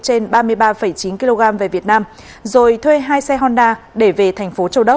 trên ba mươi ba chín kg về việt nam rồi thuê hai xe honda để về tp châu đốc